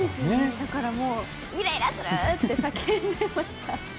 だからもうイライラする！って叫んでました。